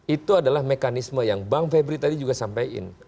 itu adalah mekanisme yang bang febri tadi juga sampaikan